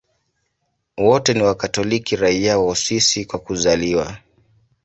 Wote ni Wakatoliki raia wa Uswisi kwa kuzaliwa.